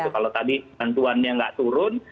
kalau tadi bantuannya nggak turun